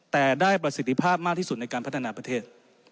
แต่ได้ประสิทธิภาพมากที่สุดในการพัฒนาประเทศ